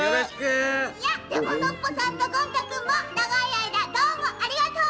でもノッポさんとゴン太くんもながいあいだどうもありがとう！